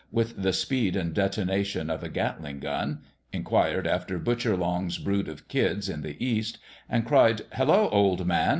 with the speed and detonation of a Catling gun, inquired after Butcher Long's brood of kids in the East, and cried " Hello, old man